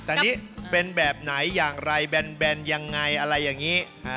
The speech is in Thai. แต่นี่เป็นแบบไหนอย่างไรแบนยังไงอะไรอย่างนี้